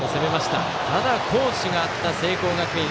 ただ、好守があった聖光学院。